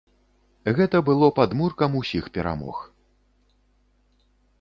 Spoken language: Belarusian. Гэта было падмуркам усіх перамог.